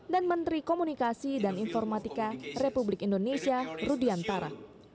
dan menteri komunikasi dan informatika republik indonesia rudiantara